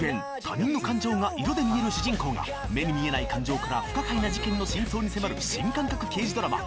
他人の感情が色で見える主人公が目に見えない感情から不可解な事件の真相に迫る新感覚刑事ドラマ